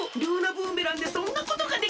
ブーメランでそんなことができるんか！